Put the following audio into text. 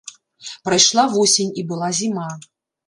Прайшла восень, і была зіма.